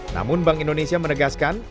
namun bank indonesia menegaskan